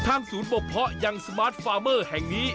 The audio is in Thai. ศูนย์บกเพาะยังสมาร์ทฟาร์เมอร์แห่งนี้